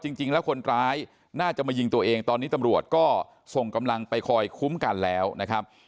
จริงแล้วคนร้ายน่าจะมายิงตัวเองตอนนี้ตำรวจก็ส่งกำลังไปคอยคุ้มกันแล้วนะครับ